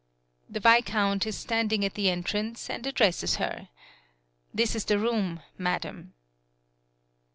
The viscount is standing at the en trance and addresses her. "This is the room, madam."